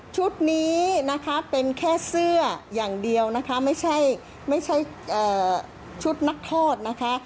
ชุดนี้นะคะเป็นแค่เสื้ออย่างเดียวนะคะไม่ใช่ชุดนักโทษนะคะ